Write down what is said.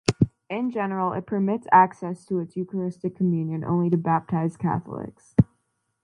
In general it permits access to its Eucharistic communion only to baptized Catholics.